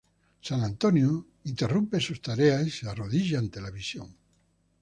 San Antonio interrumpe sus tareas y se arrodilla ante la visión.